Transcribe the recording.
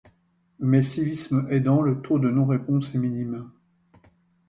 Mais civisme aidant, le taux de non-réponse est minime.